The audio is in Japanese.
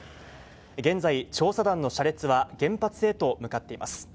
現在、調査団の車列は、原発へと向かっています。